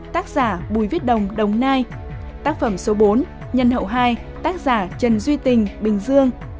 tác phẩm số một mươi bốn nhân hậu tác giả trần duy tình bình dương